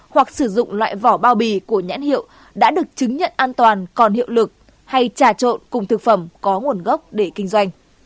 hoặc sử dụng loại vỏ bao bì của nhãn hiệu đã được chứng nhận an toàn còn hiệu lực hay trà trộn cùng thực phẩm có nguồn gốc để kinh doanh